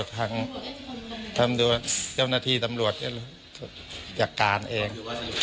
ทางเจ้าหน้าที่ตำรวจจัดการเอง